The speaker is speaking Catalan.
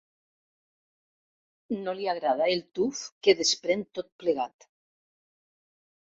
No li agrada el tuf que desprèn tot plegat.